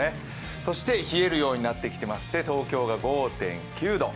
そして冷えるようになってきてまして、東京が５．９度。